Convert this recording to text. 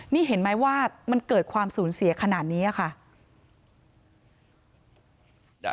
นี่เห็นไหมว่ามันเกิดความสูญเสียขนาดนี้ค่ะ